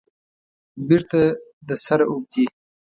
بیرته د سره اوبدي